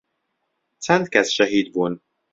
چەند کەس شەهید بوون